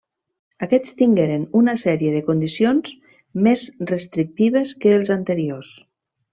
Aquests tingueren una sèrie de condicions més restrictives que els anteriors.